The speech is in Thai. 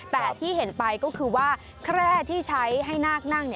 แต่ที่เห็นไปก็คือว่าแคร่ที่ใช้ให้นาคนั่ง